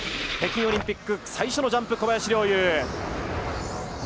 北京オリンピック最初のジャンプ小林陵侑。